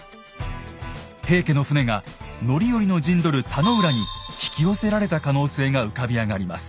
平家の船が範頼の陣取る田野浦に引き寄せられた可能性が浮かび上がります。